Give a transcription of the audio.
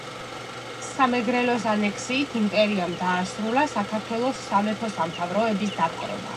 სამეგრელოს ანექსიით იმპერიამ დაასრულა საქართველოს სამეფო-სამთავროების დაპყრობა.